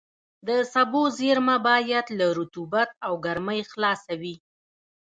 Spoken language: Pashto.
د سبو زېرمه باید له رطوبت او ګرمۍ خلاصه وي.